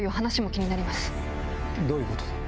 どういうことだ？